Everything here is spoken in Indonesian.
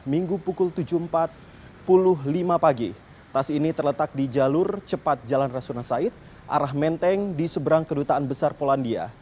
minggu pukul tujuh empat puluh lima pagi tas ini terletak di jalur cepat jalan rasuna said arah menteng di seberang kedutaan besar polandia